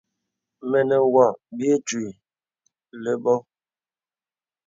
Mə nə wɔ bì ìtwì ləbô.